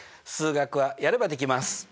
数学はやればできます。